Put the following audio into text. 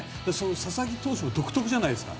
佐々木投手も独特じゃないですか。